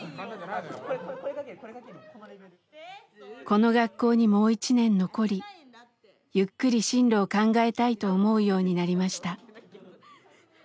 この学校にもう１年残りゆっくり進路を考えたいと思うようになりました。